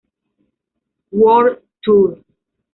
World Tour.